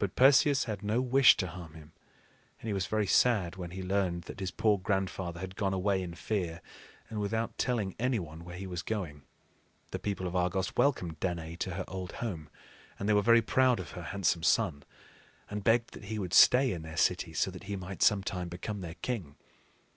But Perseus had no wish to harm him; and he was very sad when he learned that his poor grandfather had gone away in fear and without telling any one where he was going. The people of Argos welcomed Danaë to her old home; and they were very proud of her handsome son, and begged that he would stay in their city, so that he might some time become their king.